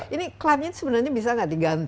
ini clapnya itu sebenarnya bisa nggak diganti gitu